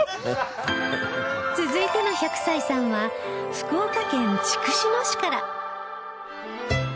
続いての１００歳さんは福岡県筑紫野市から